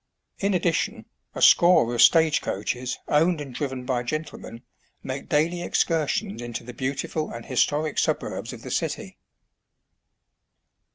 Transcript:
In addition, a score of stage coaches, owned and driven by gentlemen, make daily excursions into the beautiful and historic suburbs of the city.